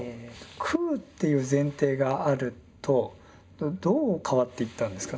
空っていう前提があるとどう変わっていったんですか？